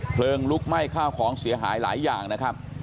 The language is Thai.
เพลิงลุกไหม้ข้าวของเสียหายหลายอย่างนะครับ